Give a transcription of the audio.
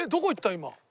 今。